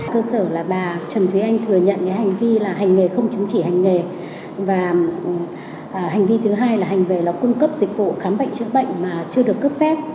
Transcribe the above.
cơ sở là bà trần thúy anh thừa nhận hành vi là hành nghề không chứng chỉ hành nghề và hành vi thứ hai là hành về là cung cấp dịch vụ khám bệnh chữa bệnh mà chưa được cấp phép